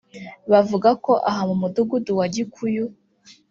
bavuga ko aha mu mudugudu wa Gikuyu